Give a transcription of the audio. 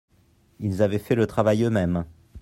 Ils avaient fait le travail eux-mêmes.